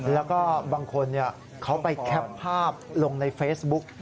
แล้วก็บางคนเขาไปแคปภาพลงในเฟซบุ๊ก